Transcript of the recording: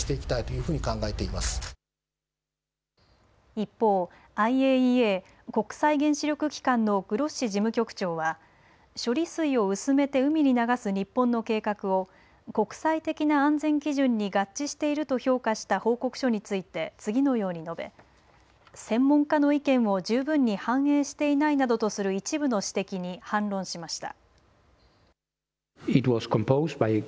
一方、ＩＡＥＡ国際原子力機関のグロッシ事務局長は処理水を薄めて海に流す日本の計画を国際的な安全基準に合致していると評価した報告書について次のように述べ専門家の意見を十分に反映していないなどとする一部の指摘に反論しました。